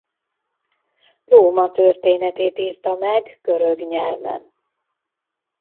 Róma történetét írta meg görög nyelven.